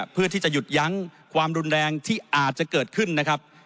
เพื่อที่จะหยุดยั้งความรุนแรงที่อาจจะเกิดขึ้นนะครับ